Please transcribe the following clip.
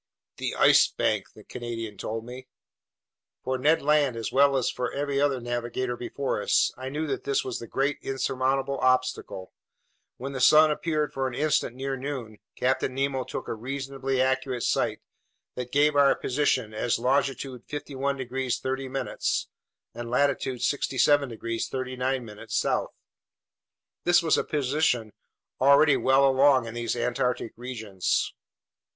"The Ice Bank!" the Canadian told me. For Ned Land, as well as for every navigator before us, I knew that this was the great insurmountable obstacle. When the sun appeared for an instant near noon, Captain Nemo took a reasonably accurate sight that gave our position as longitude 51 degrees 30' and latitude 67 degrees 39' south. This was a position already well along in these Antarctic regions.